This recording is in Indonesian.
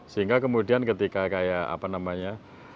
sehingga kemudian ketika kayak apa namanya